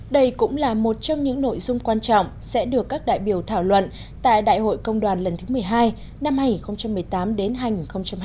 đây cũng là một trong những nội dung quan trọng sẽ được các đại biểu thảo luận tại đại hội công đoàn lần thứ một mươi hai năm hai nghìn một mươi tám đến hành hai mươi